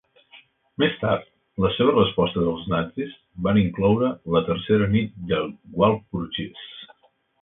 Més tard, les seves respostes als nazis van incloure 'La tercera nit de Walpurgis'.